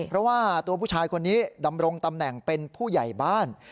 เพราะว่าตัวผู้ชายคนนี้ดำรงตำแหน่งเป็นผู้ใหญ่บ้าน